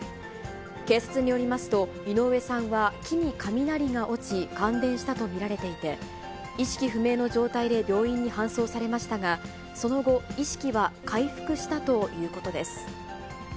警察によりますと、井上さんは木に雷が落ち、感電したと見られていて、意識不明の状態で病院に搬送されましたが、その後、意識は回復したということです。